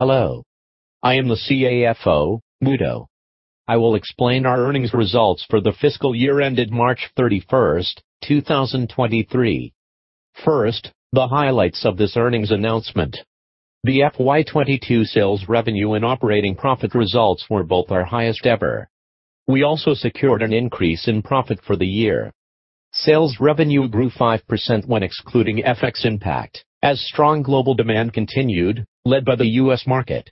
Hello. I am the CAFO, Muto. I will explain our earnings results for the fiscal year ended March 31st, 2023. First, the highlights of this earnings announcement. The FY 2022 sales revenue and operating profit results were both our highest ever. We also secured an increase in profit for the year. Sales revenue grew 5% when excluding FX impact as strong global demand continued, led by the U.S. market.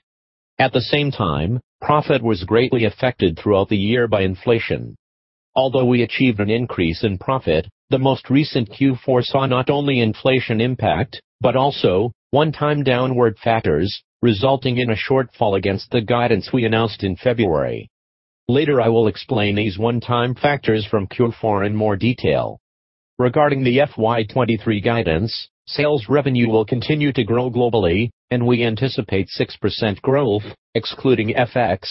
At the same time, profit was greatly affected throughout the year by inflation. Although we achieved an increase in profit, the most recent Q4 saw not only inflation impact, but also one-time downward factors, resulting in a shortfall against the guidance we announced in February. Later I will explain these one-time factors from Q4 in more detail. Regarding the FY 2023 guidance, sales revenue will continue to grow globally and we anticipate 6% growth, excluding FX,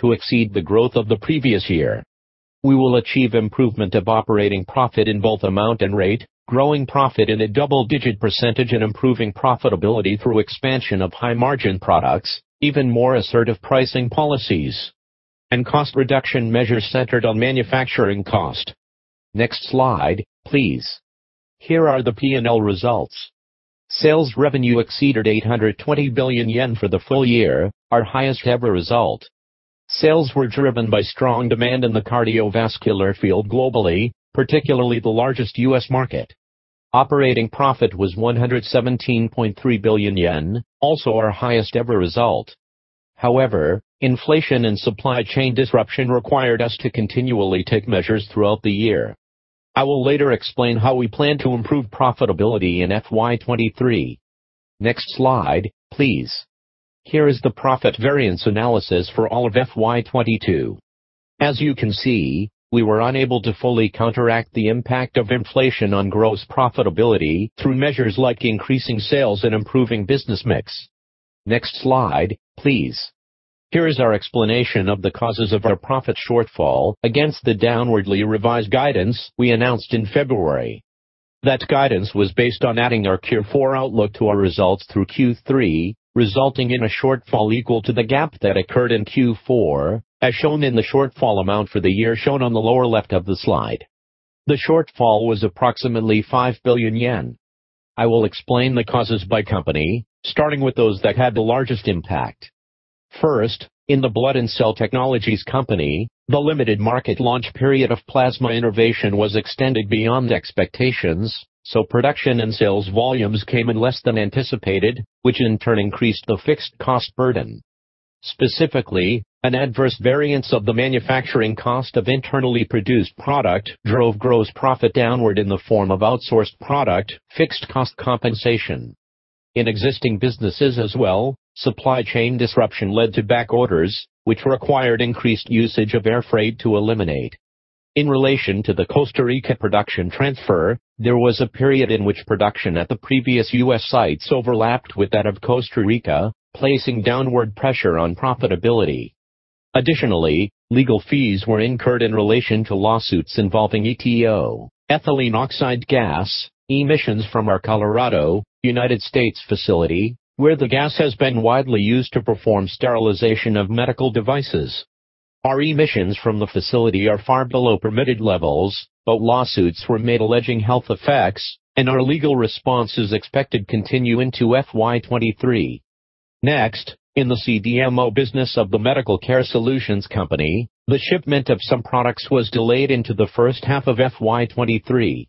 to exceed the growth of the previous year. We will achieve improvement of operating profit in both amount and rate, growing profit in a double-digit % and improving profitability through expansion of high margin products, even more assertive pricing policies, and cost reduction measures centered on manufacturing cost. Next slide, please. Here are the P&L results. Sales revenue exceeded 820 billion yen for the full year, our highest ever result. Sales were driven by strong demand in the cardiovascular field globally, particularly the largest U.S. market. Operating profit was 117.3 billion yen, also our highest ever result. However, inflation and supply chain disruption required us to continually take measures throughout the year. I will later explain how we plan to improve profitability in FY 2023. Next slide, please. Here is the profit variance analysis for all of FY 2022. As you can see, we were unable to fully counteract the impact of inflation on gross profitability through measures like increasing sales and improving business mix. Next slide, please. Here is our explanation of the causes of our profit shortfall against the downwardly revised guidance we announced in February. That guidance was based on adding our Q4 outlook to our results through Q3, resulting in a shortfall equal to the gap that occurred in Q4, as shown in the shortfall amount for the year shown on the lower left of the slide. The shortfall was approximately 5 billion yen. I will explain the causes by company, starting with those that had the largest impact. First, in the Blood and Cell Technologies Company, the limited market launch period of Plasma Innovation was extended beyond expectations, so production and sales volumes came in less than anticipated, which in turn increased the fixed cost burden. Specifically, an adverse variance of the manufacturing cost of internally produced product drove gross profit downward in the form of outsourced product fixed cost compensation. In existing businesses as well, supply chain disruption led to back orders, which required increased usage of air freight to eliminate. In relation to the Costa Rica production transfer, there was a period in which production at the previous U.S. sites overlapped with that of Costa Rica, placing downward pressure on profitability. Additionally, legal fees were incurred in relation to lawsuits involving ETO, ethylene oxide gas, emissions from our Colorado, U.S. facility, where the gas has been widely used to perform sterilization of medical devices. Our emissions from the facility are far below permitted levels, but lawsuits were made alleging health effects, and our legal response is expected to continue into FY 2023. Next, in the CDMO business of the Medical Care Solutions Company, the shipment of some products was delayed into the first half of FY 2023.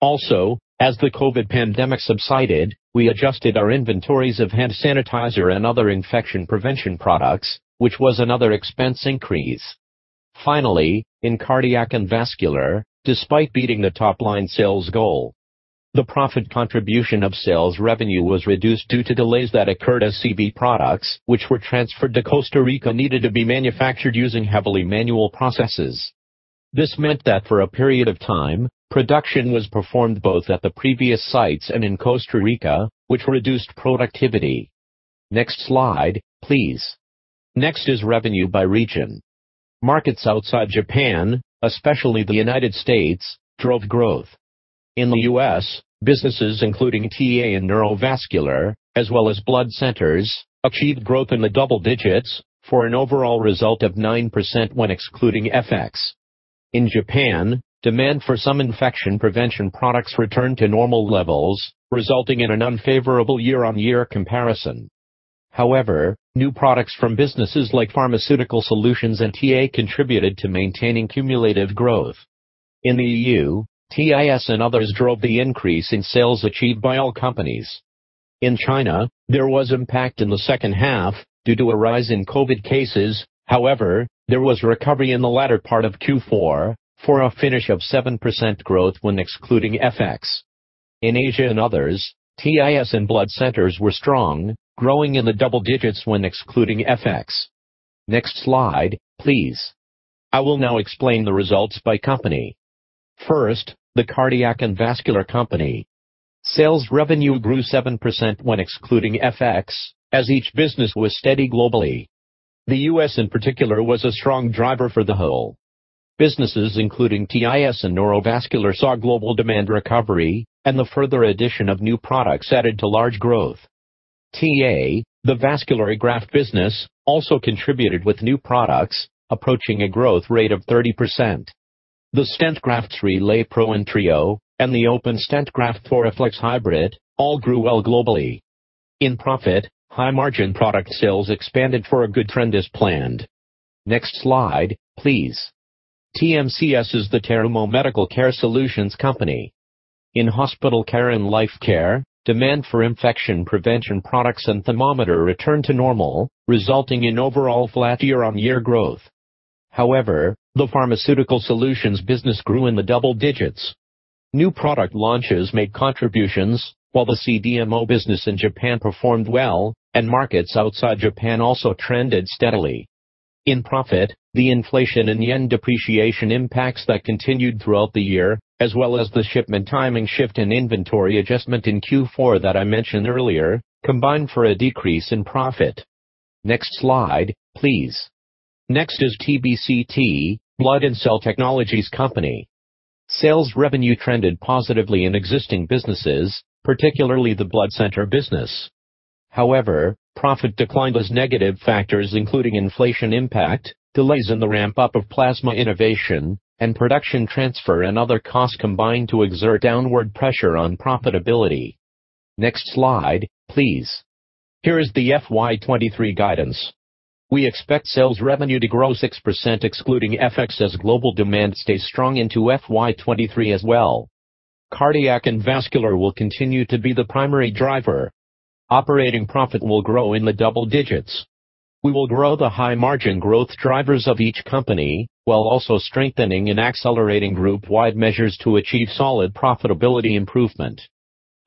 Also, as the COVID pandemic subsided, we adjusted our inventories of hand sanitizer and other infection prevention products, which was another expense increase. Finally, in Cardiac and Vascular, despite beating the top line sales goal, the profit contribution of sales revenue was reduced due to delays that occurred as CV products which were transferred to Costa Rica needed to be manufactured using heavily manual processes. This meant that for a period of time, production was performed both at the previous sites and in Costa Rica, which reduced productivity. Next slide, please. Next is revenue by region. Markets outside Japan, especially the U.S., drove growth. In the U.S., businesses including TA and Terumo Neuro, as well as blood centers, achieved growth in the double digits for an overall result of 9% when excluding FX. In Japan, demand for some infection prevention products returned to normal levels, resulting in an unfavorable year-on-year comparison. However, new products from businesses like Pharmaceutical Solutions and TA contributed to maintaining cumulative growth. In the EU, TIS and others drove the increase in sales achieved by all companies. In China, there was impact in the second half due to a rise in COVID cases. However, there was recovery in the latter part of Q4 for a finish of 7% growth when excluding FX. In Asia and others, TIS and blood centers were strong, growing in the double digits when excluding FX. Next slide, please. I will now explain the results by company. First, the Cardiac and Vascular Company. Sales revenue grew 7% when excluding FX, as each business was steady globally. The U.S. in particular was a strong driver for the whole. Businesses including TIS and Terumo Neuro saw global demand recovery, and the further addition of new products added to large growth. TA, the vascular graft business, also contributed with new products approaching a growth rate of 30%. The stent grafts RelayPro and TREO, and the open stent graft Thoraflex Hybrid, all grew well globally. In profit, high-margin product sales expanded for a good trend as planned. Next slide, please. TMCS is the Terumo Medical Care Solutions Company. In hospital care and life care, demand for infection prevention products and thermometer returned to normal, resulting in overall flat year-on-year growth. However, the Pharmaceutical Solutions business grew in the double digits. New product launches made contributions while the CDMO business in Japan performed well, and markets outside Japan also trended steadily. In profit, the inflation and yen depreciation impacts that continued throughout the year, as well as the shipment timing shift and inventory adjustment in Q4 that I mentioned earlier, combined for a decrease in profit. Next slide, please. Next is Terumo BCT, Terumo Blood and Cell Technologies. Sales revenue trended positively in existing businesses, particularly the blood center business. However, profit declined as negative factors including inflation impact, delays in the ramp-up of Plasma Innovation, and production transfer and other costs combined to exert downward pressure on profitability. Next slide, please. Here is the FY 2023 guidance. We expect sales revenue to grow 6% excluding FX as global demand stays strong into FY 2023 as well. Cardiac and Vascular will continue to be the primary driver. Operating profit will grow in the double digits. We will grow the high-margin growth drivers of each company, while also strengthening and accelerating group-wide measures to achieve solid profitability improvement.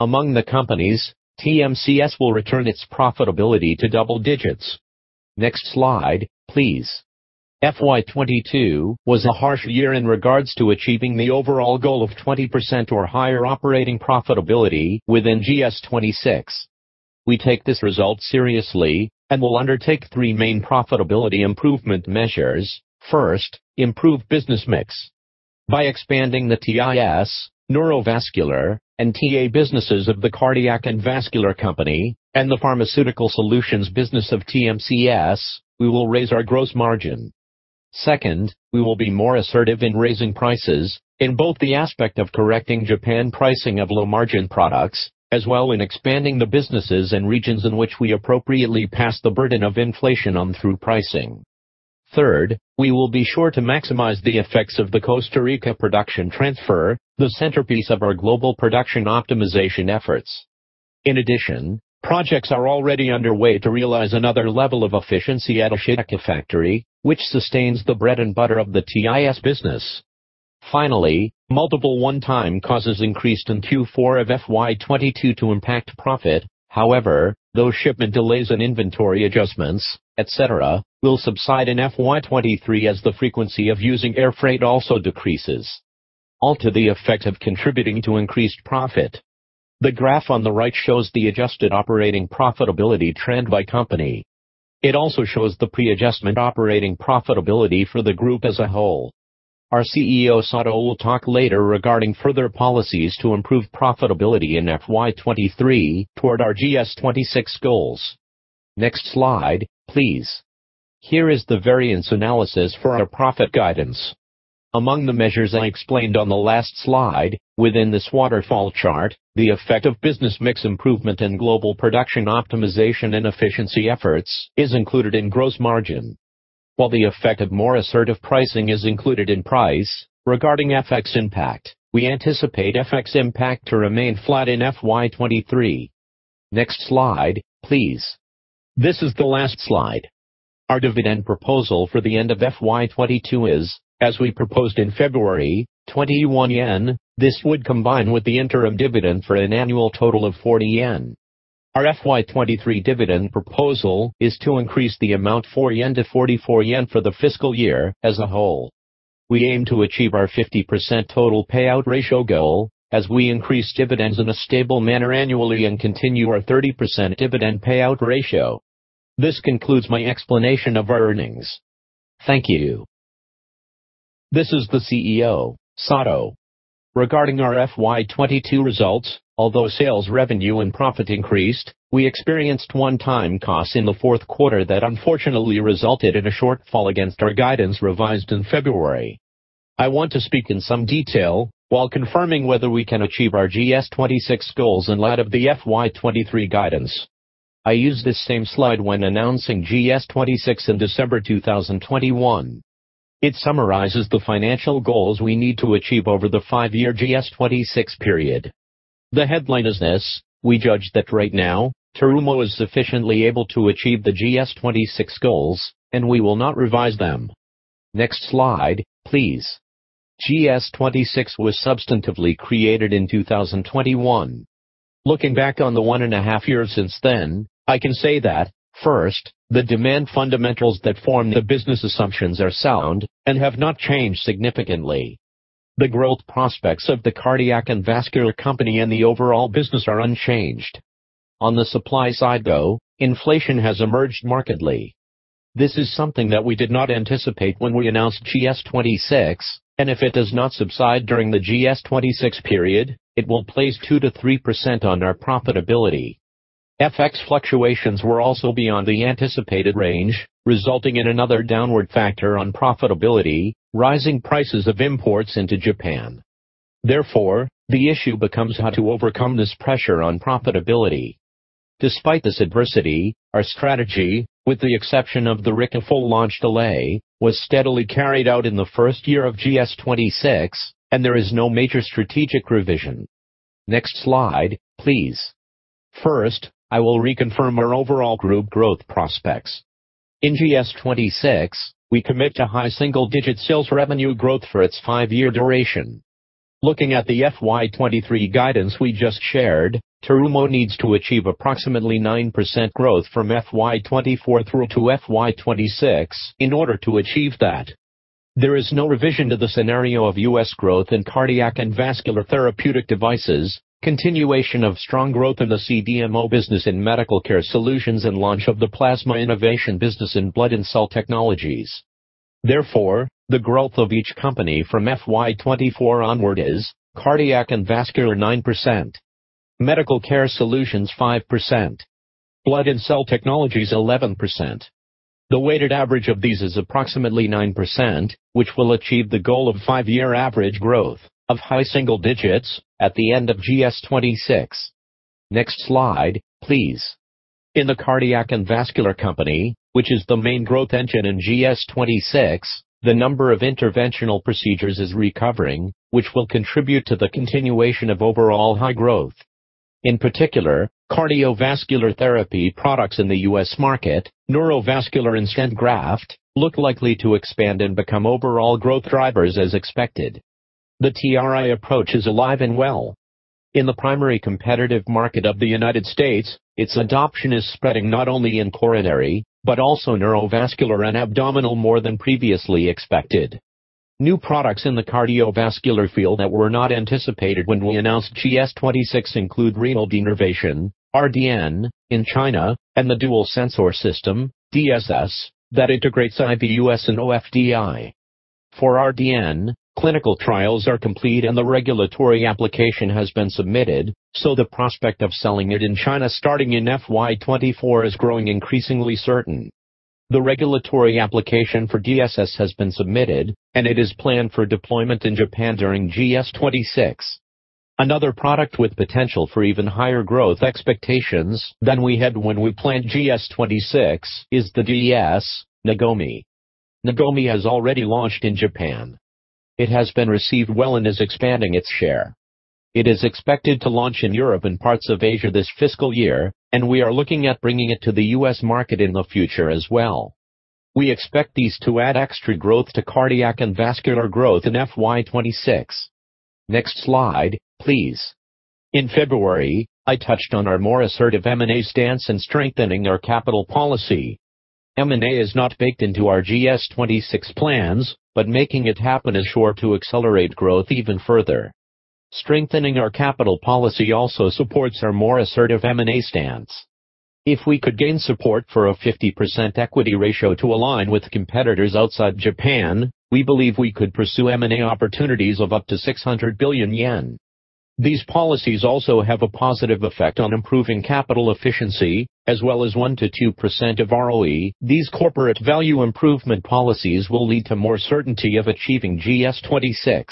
Among the companies, TMCS will return its profitability to double digits. Next slide, please. FY 2022 was a harsh year in regards to achieving the overall goal of 20% or higher operating profitability within GS26. We take this result seriously and will undertake three main profitability improvement measures. First, improve business mix. By expanding the TIS, Terumo Neuro, and Terumo Aortic businesses of the Cardiac and Vascular Company and the Pharmaceutical Solutions business of TMCS, we will raise our gross margin. Second, we will be more assertive in raising prices in both the aspect of correcting Japan pricing of low-margin products, as well in expanding the businesses and regions in which we appropriately pass the burden of inflation on through pricing. Third, we will be sure to maximize the effects of the Costa Rica production transfer, the centerpiece of our global production optimization efforts. In addition, projects are already underway to realize another level of efficiency at Ashitaka factory, which sustains the bread and butter of the TIS business. Finally, multiple one-time causes increased in Q4 of FY 2022 to impact profit. However, those shipment delays and inventory adjustments, etc., will subside in FY 2023 as the frequency of using air freight also decreases. All to the effect of contributing to increased profit. The graph on the right shows the adjusted operating profitability trend by company. It also shows the pre-adjustment operating profitability for the group as a whole. Our CEO Sato will talk later regarding further policies to improve profitability in FY 2023 toward our GS26 goals. Next slide, please. Here is the variance analysis for our profit guidance. Among the measures I explained on the last slide, within this waterfall chart, the effect of business mix improvement and global production optimization and efficiency efforts is included in gross margin. While the effect of more assertive pricing is included in price, regarding FX impact, we anticipate FX impact to remain flat in FY 2023. Next slide, please. This is the last slide. Our dividend proposal for the end of FY 2022 is, as we proposed in February, 21 yen. This would combine with the interim dividend for an annual total of 40 yen. Our FY 2023 dividend proposal is to increase the amount 4 yen to 44 yen for the fiscal year as a whole. We aim to achieve our 50% total payout ratio goal, as we increase dividends in a stable manner annually and continue our 30% dividend payout ratio. This concludes my explanation of our earnings. Thank you. This is the CEO, Sato. Regarding our FY 2022 results, although sales revenue and profit increased, we experienced one-time costs in the fourth quarter that unfortunately resulted in a shortfall against our guidance revised in February. I want to speak in some detail while confirming whether we can achieve our GS26 goals in light of the FY 2023 guidance. I used this same slide when announcing GS26 in December 2021. It summarizes the financial goals we need to achieve over the five-year GS26 period. The headline is this: We judge that right now, Terumo is sufficiently able to achieve the GS26 goals, and we will not revise them. Next slide, please. GS26 was substantively created in 2021. Looking back on the one and a half years since then, I can say that first, the demand fundamentals that form the business assumptions are sound and have not changed significantly. The growth prospects of the Cardiac and Vascular Company and the overall business are unchanged. On the supply side though, inflation has emerged markedly. This is something that we did not anticipate when we announced GS26, and if it does not subside during the GS26 period, it will place 2%-3% on our profitability. FX fluctuations were also beyond the anticipated range, resulting in another downward factor on profitability, rising prices of imports into Japan. The issue becomes how to overcome this pressure on profitability. Despite this adversity, our strategy, with the exception of the Rika full launch delay, was steadily carried out in the first year of GS26, and there is no major strategic revision. Next slide, please. First, I will reconfirm our overall group growth prospects. In GS26, we commit to high single-digit sales revenue growth for its five-year duration. Looking at the FY 2023 guidance we just shared, Terumo needs to achieve approximately 9% growth from FY 2024 through to FY 2026 in order to achieve that. There is no revision to the scenario of U.S. growth in cardiac and vascular therapeutic devices, continuation of strong growth in the CDMO business and Medical Care Solutions, and launch of the Plasma Innovation business in Blood and Cell Technologies. Therefore, the growth of each company from FY 2024 onward is Cardiac and Vascular 9%, Medical Care Solutions 5%, Blood and Cell Technologies 11%. The weighted average of these is approximately 9%, which will achieve the goal of five-year average growth of high single digits at the end of GS26. Next slide, please. In the Cardiac and Vascular Company, which is the main growth engine in GS26, the number of interventional procedures is recovering, which will contribute to the continuation of overall high growth. In particular, cardiovascular therapy products in the U.S. market, neurovascular and stent graft, look likely to expand and become overall growth drivers as expected. The TRI approach is alive and well. In the primary competitive market of the United States, its adoption is spreading not only in coronary but also neurovascular and abdominal more than previously expected. New products in the cardiovascular field that were not anticipated when we announced GS26 include renal denervation, RDN in China, and the dual sensor system, DSS, that integrates IVUS and OFDI. For RDN, clinical trials are complete and the regulatory application has been submitted. So the prospect of selling it in China starting in FY 2024 is growing increasingly certain. The regulatory application for DSS has been submitted, and it is planned for deployment in Japan during GS26. Another product with potential for even higher growth expectations than we had when we planned GS26 is the DES Nagomi. Nagomi has already launched in Japan. It has been received well and is expanding its share. It is expected to launch in Europe and parts of Asia this fiscal year, and we are looking at bringing it to the U.S. market in the future as well. We expect these to add extra growth to cardiac and vascular growth in FY 2026. Next slide, please. In February, I touched on our more assertive M&A stance in strengthening our capital policy. M&A is not baked into our GS26 plans, but making it happen is sure to accelerate growth even further. Strengthening our capital policy also supports our more assertive M&A stance. If we could gain support for a 50% equity ratio to align with competitors outside Japan, we believe we could pursue M&A opportunities of up to 600 billion yen. These policies also have a positive effect on improving capital efficiency as well as 1%-2% of ROE. These corporate value improvement policies will lead to more certainty of achieving GS26.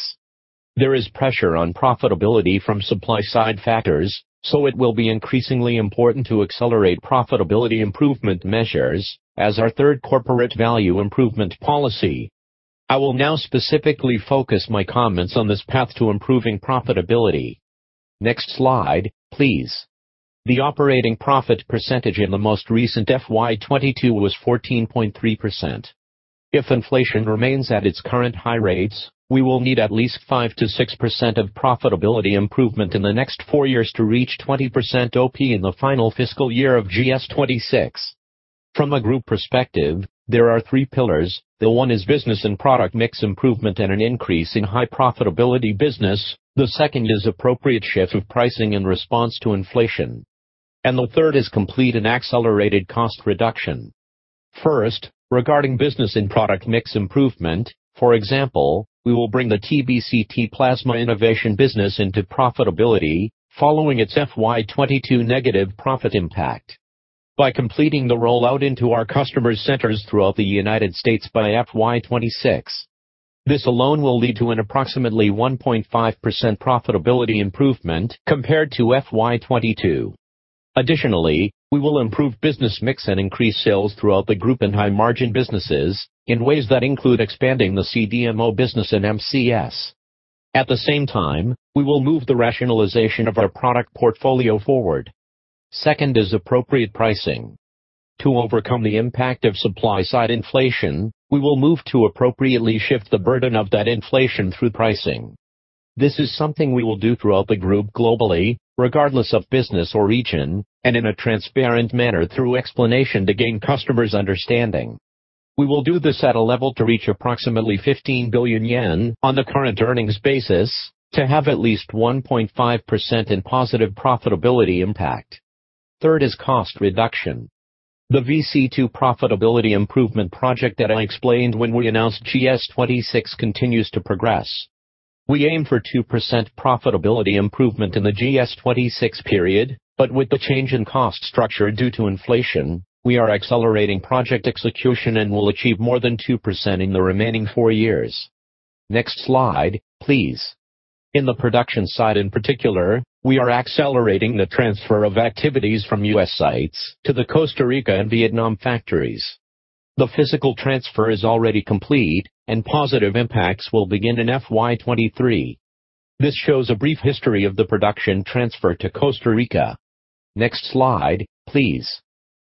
There is pressure on profitability from supply-side factors. It will be increasingly important to accelerate profitability improvement measures as our third corporate value improvement policy. I will now specifically focus my comments on this path to improving profitability. Next slide, please. The operating profit percentage in the most recent FY 2022 was 14.3%. If inflation remains at its current high rates, we will need at least 5%-6% of profitability improvement in the next four years to reach 20% OP in the final fiscal year of GS26. From a group perspective, there are three pillars. One is business and product mix improvement and an increase in high profitability business. The second is appropriate shift of pricing in response to inflation. The third is complete and accelerated cost reduction. First, regarding business and product mix improvement. For example, we will bring the TBCT Plasma Innovation business into profitability following its FY 2022 negative profit impact. By completing the rollout into our customers' centers throughout the U.S. by FY 2026. This alone will lead to an approximately 1.5% profitability improvement compared to FY 2022. Additionally, we will improve business mix and increase sales throughout the group in high-margin businesses in ways that include expanding the CDMO business and MCS. At the same time, we will move the rationalization of our product portfolio forward. Second is appropriate pricing. To overcome the impact of supply-side inflation, we will move to appropriately shift the burden of that inflation through pricing. This is something we will do throughout the group globally, regardless of business or region, and in a transparent manner through explanation to gain customers' understanding. We will do this at a level to reach approximately 15 billion yen on the current earnings basis to have at least 1.5% in positive profitability impact. Third is cost reduction. The VC2 profitability improvement project that I explained when we announced GS26 continues to progress. We aim for 2% profitability improvement in the GS26 period, with the change in cost structure due to inflation, we are accelerating project execution and will achieve more than 2% in the remaining four years. Next slide, please. In the production side in particular, we are accelerating the transfer of activities from U.S. sites to the Costa Rica and Vietnam factories. The physical transfer is already complete, and positive impacts will begin in FY 2023. This shows a brief history of the production transfer to Costa Rica. Next slide, please.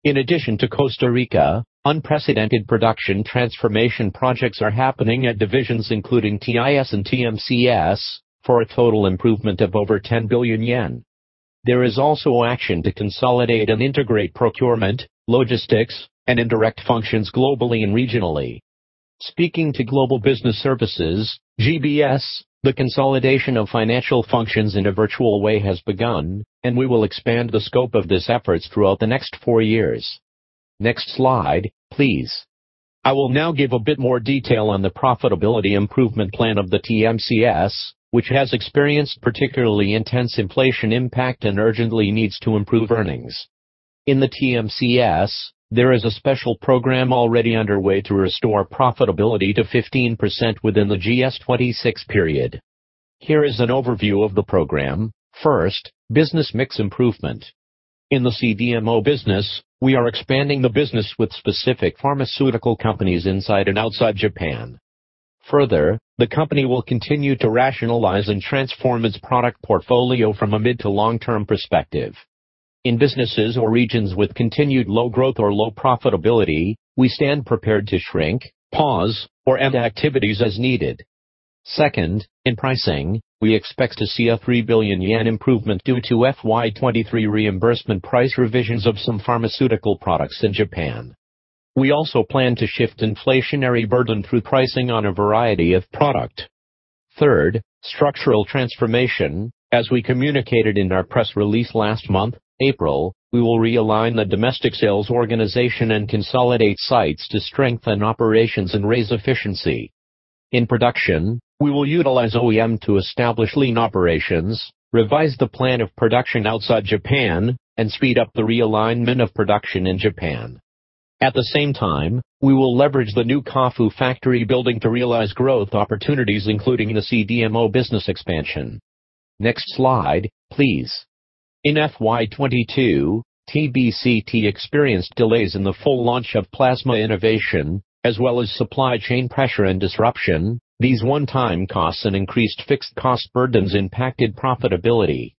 In addition to Costa Rica, unprecedented production transformation projects are happening at divisions including TIS and TMCS for a total improvement of over 10 billion yen. There is also action to consolidate and integrate procurement, logistics, and indirect functions globally and regionally. Speaking to global business services, GBS, the consolidation of financial functions in a virtual way has begun. We will expand the scope of this efforts throughout the next four years. Next slide, please. I will now give a bit more detail on the profitability improvement plan of the TMCS, which has experienced particularly intense inflation impact and urgently needs to improve earnings. In the TMCS, there is a special program already underway to restore profitability to 15% within the GS26 period. Here is an overview of the program. First, business mix improvement. In the CDMO business, we are expanding the business with specific pharmaceutical companies inside and outside Japan. Further, the company will continue to rationalize and transform its product portfolio from a mid- to long-term perspective. In businesses or regions with continued low growth or low profitability, we stand prepared to shrink, pause, or end activities as needed. Second, in pricing, we expect to see a 3 billion yen improvement due to FY 2023 reimbursement price revisions of some pharmaceutical products in Japan. We also plan to shift inflationary burden through pricing on a variety of product. Third, structural transformation. As we communicated in our press release last month, April, we will realign the domestic sales organization and consolidate sites to strengthen operations and raise efficiency. In production, we will utilize OEM to establish lean operations, revise the plan of production outside Japan, and speed up the realignment of production in Japan. At the same time, we will leverage the new Kofu factory building to realize growth opportunities, including the CDMO business expansion. Next slide, please. In FY 2022, TBCT experienced delays in the full launch of Plasma Innovation, as well as supply chain pressure and disruption. These one-time costs and increased fixed cost burdens impacted profitability.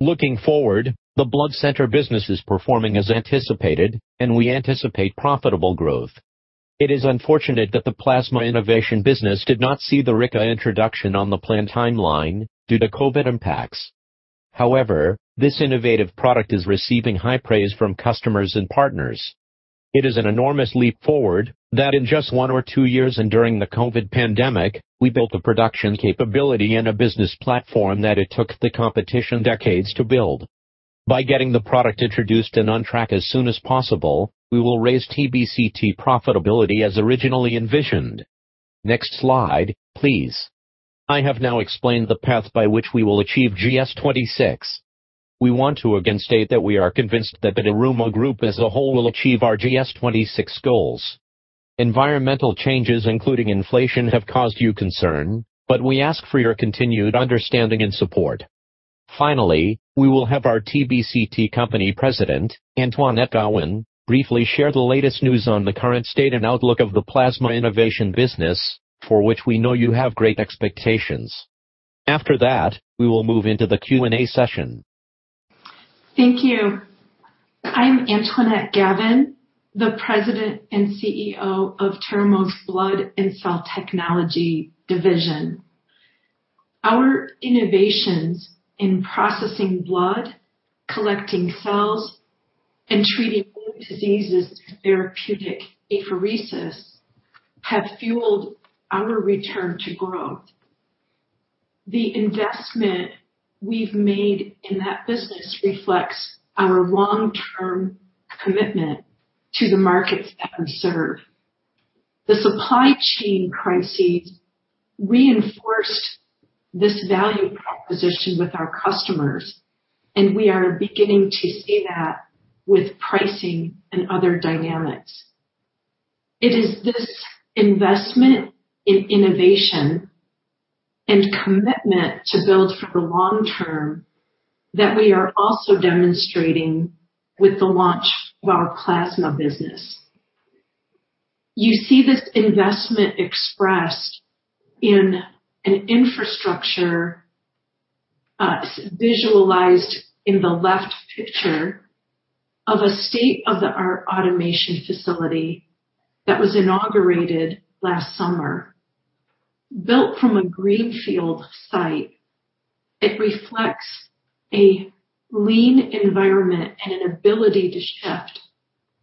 Looking forward, the blood center business is performing as anticipated, and we anticipate profitable growth. It is unfortunate that the Plasma Innovation business did not see the Rika introduction on the planned timeline due to COVID impacts. However, this innovative product is receiving high praise from customers and partners. It is an enormous leap forward that in just one or two years and during the COVID pandemic, we built a production capability and a business platform that it took the competition decades to build. By getting the product introduced and on track as soon as possible, we will raise TBCT profitability as originally envisioned. Next slide, please. I have now explained the path by which we will achieve GS26. We want to again state that we are convinced that the Terumo Group as a whole will achieve our GS26 goals. Environmental changes, including inflation, have caused you concern, but we ask for your continued understanding and support. Finally, we will have our TBCT Company President, Antoinette Gawin, briefly share the latest news on the current state and outlook of the Plasma Innovation business, for which we know you have great expectations. After that, we will move into the Q&A session. Thank you. I'm Antoinette Gawin, the President and CEO of Terumo Blood and Cell Technologies. Our innovations in processing blood, collecting cells, and treating blood diseases therapeutic apheresis have fueled our return to growth. The investment we've made in that business reflects our long-term commitment to the markets that we serve. The supply chain crises reinforced this value proposition with our customers, and we are beginning to see that with pricing and other dynamics. It is this investment in innovation and commitment to build for the long term that we are also demonstrating with the launch of our plasma business. You see this investment expressed in an infrastructure, visualized in the left picture of a state-of-the-art automation facility that was inaugurated last summer. Built from a greenfield site, it reflects a lean environment and an ability to shift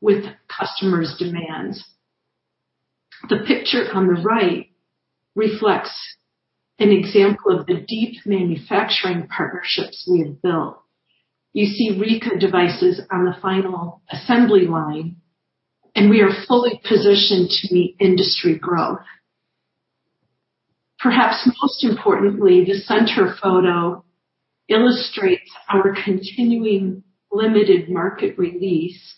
with customers' demands. The picture on the right reflects an example of the deep manufacturing partnerships we have built. You see Rika devices on the final assembly line, and we are fully positioned to meet industry growth. Perhaps most importantly, the center photo illustrates our continuing limited market release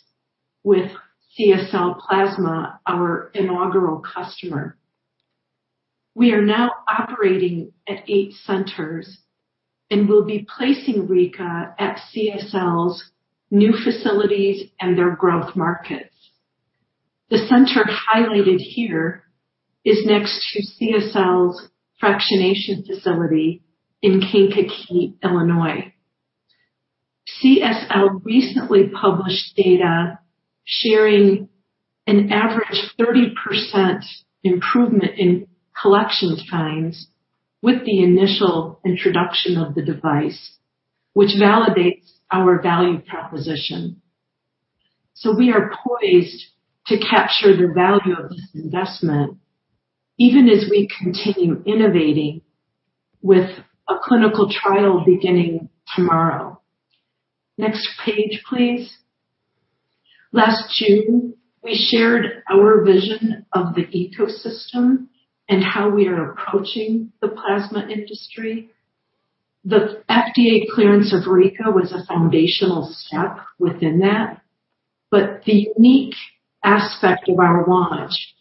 with CSL Plasma, our inaugural customer. We are now operating at eight centers and will be placing Rika at CSL's new facilities and their growth markets. The center highlighted here is next to CSL's fractionation facility in Kankakee, Illinois. CSL recently published data sharing an average 30% improvement in collections times with the initial introduction of the device, which validates our value proposition. We are poised to capture the value of this investment even as we continue innovating with a clinical trial beginning tomorrow. Next page, please. Last June, we shared our vision of the ecosystem and how we are approaching the plasma industry. The FDA clearance of Rika was a foundational step within that, but the unique aspect of our launch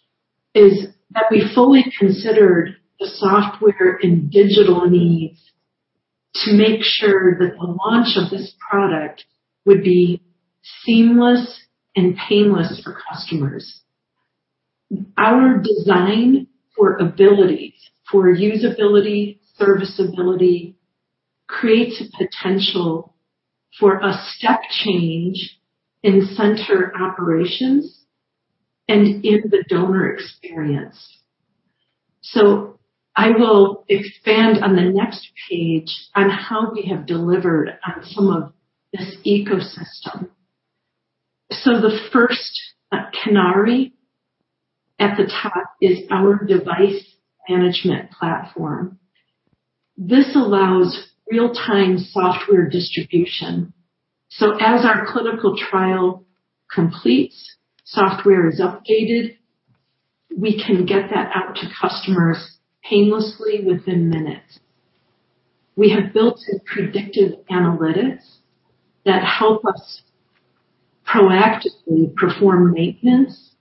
is that we fully considered the software and digital needs to make sure that the launch of this product would be seamless and painless for customers. Our design for ability, for usability, serviceability, creates a potential for a step change in center operations and in the donor experience. I will expand on the next page on how we have delivered on some of this ecosystem. The first canary at the top is our device management platform. This allows real-time software distribution. As our clinical trial completes, software is updated, we can get that out to customers painlessly within minutes. We have built-in predictive analytics that help us proactively perform maintenance,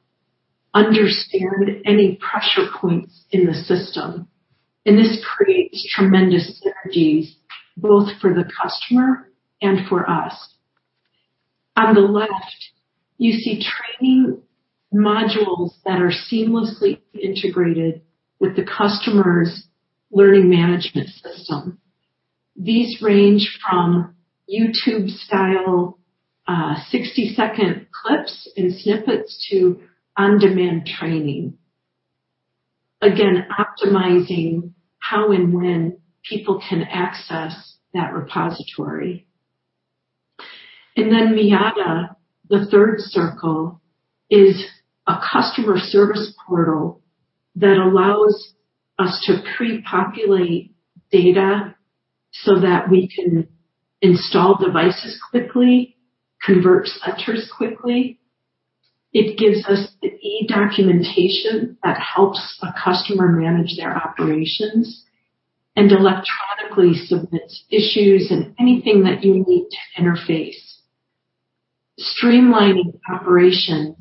understand any pressure points in the system, and this creates tremendous synergies both for the customer and for us. On the left, you see training modules that are seamlessly integrated with the customer's learning management system. These range from YouTube-style 60-second clips and snippets to on-demand training. Again, optimizing how and when people can access that repository. Then Miada, the third circle, is a customer service portal that allows us to pre-populate data so that we can install devices quickly, convert centers quickly. It gives us the e-documentation that helps a customer manage their operations and electronically submits issues and anything that you need to interface, streamlining operations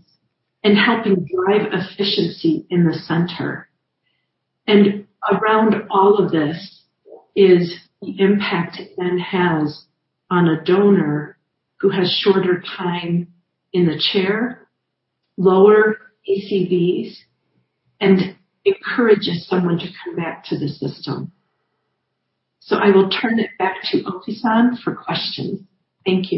and helping drive efficiency in the center. Around all of this is the impact it then has on a donor who has shorter time in the chair, lower ACVs, and encourages someone to come back to the system. I will turn it back to Otisan for questions. Thank you.